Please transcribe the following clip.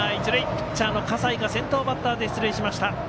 ピッチャーの葛西が先頭バッターで出塁しました。